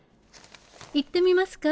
行ってみますか？